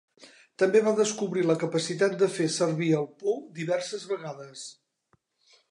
També va descobrir la capacitat de fer servir el pou diverses vegades.